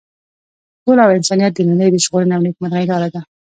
سوله او انسانیت د نړۍ د ژغورنې او نیکمرغۍ لاره ده.